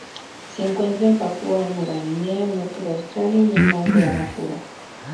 Se encuentra en Papúa Nueva Guinea norte de Australia y el Mar de Arafura.